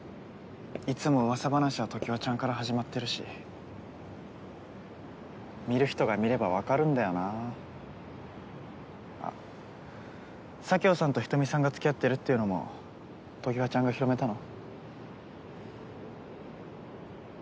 いつもうわさ話は常盤ちゃんから始まってるし見る人が見ればわかるんだよなあっ佐京さんと人見さんがつきあってるっていうのも常盤ちゃんが広めたの？